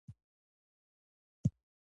ښځې په زوټه غوټۍ وويل.